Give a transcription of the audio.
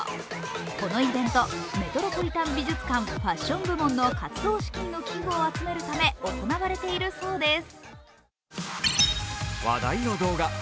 このイベント、メトロポリタン美術館ファッション部門の活動資金の寄付を集めるため、行われているそうです。